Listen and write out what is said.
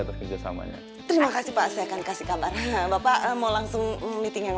atas kerjasamanya terima kasih pak saya akan kasih kabarnya bapak mau langsung meeting yang